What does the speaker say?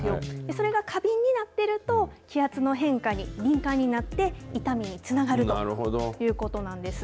それが過敏になっていると、気圧の変化に敏感になって、痛みにつながるということなんです。